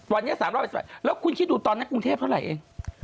วันนี้๓๐๐แล้วคุณคิดดูตอนนั้นกรุงเทพเท่าไหร่เอง